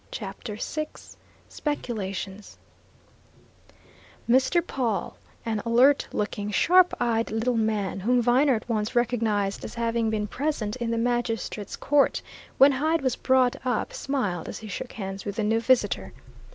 CHAPTER VI SPECULATIONS Mr. Pawle, an alert looking, sharp eyed little man, whom Viner at once recognized as having been present in the magistrate's court when Hyde was brought up, smiled as he shook hands with the new visitor.